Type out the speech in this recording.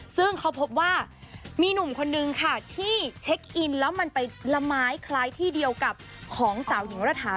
ซึ่งเขาพบว่ามีหนุ่มคนนึงค่ะที่เช็คอินแล้วมันไปละไม้คล้ายที่เดียวกับของสาวหญิงระถา